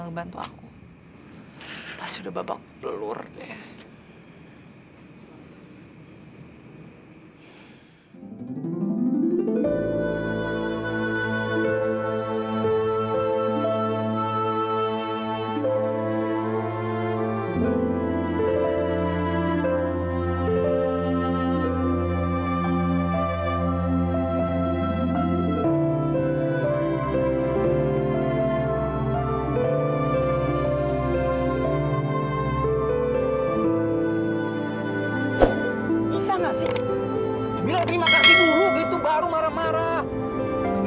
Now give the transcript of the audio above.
orang sebaik pak maman